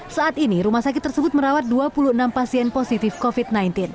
saat ini rumah sakit tersebut merawat dua puluh enam pasien positif covid sembilan belas